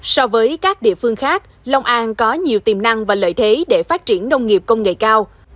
so với các địa phương khác long an có nhiều tiềm năng và lợi thế để phát triển nông nghiệp công nghệ cao